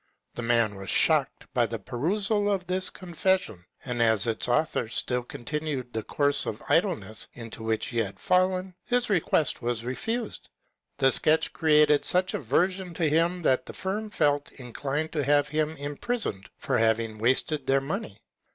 The man was shocked by the perusal of this confession, and as its author still continued the course of idleness into which he had fallen, his request was refused. The sketch created such aversion to him that the firm felt in clined to have him imprisoned for having wasted their money.